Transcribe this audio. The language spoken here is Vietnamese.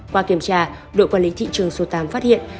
qua kiểm tra đội quản lý thị trường số tám phát hiện